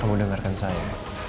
kamu dengarkan saya